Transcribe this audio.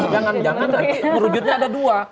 jangan jangan nanti merujutnya ada dua